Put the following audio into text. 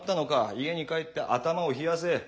家に帰って頭を冷やせ。